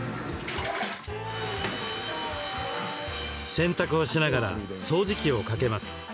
洗濯をしながら掃除機をかけます。